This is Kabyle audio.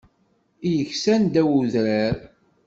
I yeksan ddaw n udrar.